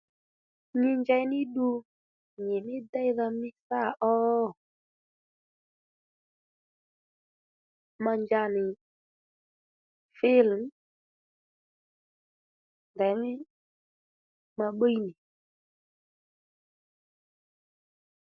Nyi njey ní ddu nyi dhí déydha mí sâ ó ma nja nì filimu ndèymí ma bbíy nì